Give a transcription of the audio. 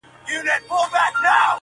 د هندوستان نجوني لولي بند به دي کړینه!